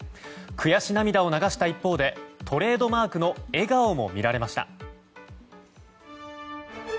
悔し涙を流した一方でトレードマークの笑顔も見られました。